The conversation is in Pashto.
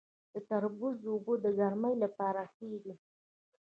د تربوز اوبه د ګرمۍ لپاره ښې دي.